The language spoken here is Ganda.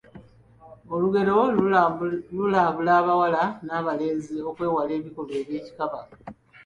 Olugero lulabula abawala n’abalenzi okwewala ebikolwa by’ekikaba.